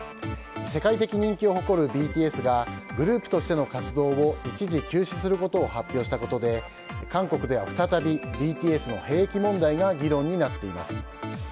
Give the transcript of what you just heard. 世界的人気を誇るＢＴＳがグループとしての活動を一時休止することを発表したことで韓国では再びＢＴＳの兵役問題が議論になっています。